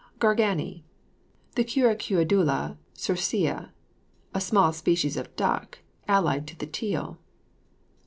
GARGANEY. The Querquedula circia, a small species of duck, allied to the teal.